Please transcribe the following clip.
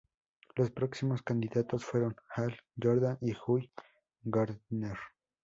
Los próximos candidatos fueron Hal Jordan y Guy Gardner.